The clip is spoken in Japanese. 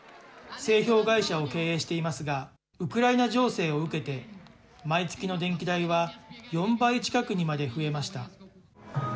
製氷会社を経営していますが、ウクライナ情勢を受けて、毎月の電気代は４倍近くにまで増えました。